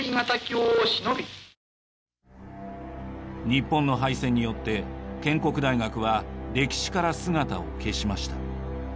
日本の敗戦によって建国大学は歴史から姿を消しました。